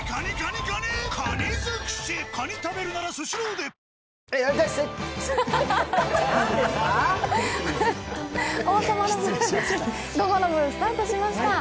午後の部スタートしました。